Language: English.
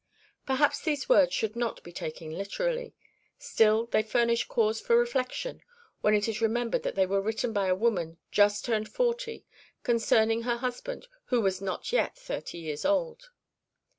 (1) Perhaps these words should not be taken literally; still they furnish cause for reflection when it is remembered that they were written by a woman just turned forty concerning her husband who was not yet thirty years old.